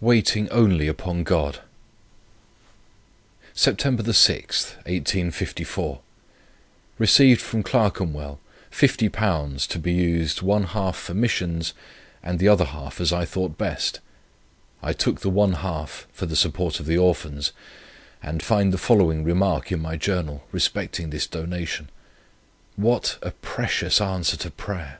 WAITING ONLY UPON GOD. "Sept 6, 1854. Received from Clerkenwell £50 to be used one half for missions, and the other half as I thought best. I took the one half for the support of the Orphans, and find the following remark in my journal respecting this donation: 'What a precious answer to prayer!'